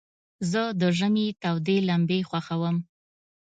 زه د ژمي تودي لمبي خوښوم.